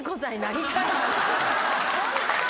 ホントに。